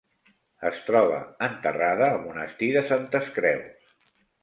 Es troba enterrada al Monestir de Santes Creus.